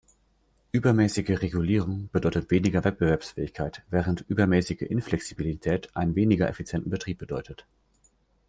Übermäßige Regulierung bedeutet weniger Wettbewerbsfähigkeit, während übermäßige Inflexibilität einen weniger effizienten Betrieb bedeutet.